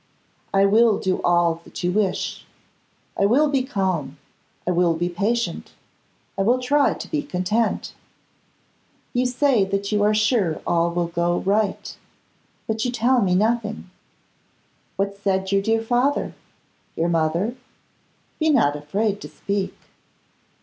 I will do all that you wish. I will be calm, I will be patient, I will try to be content. You say that you are sure all will go right; but you tell me nothing. What said your dear father? your mother? Be not afraid to speak.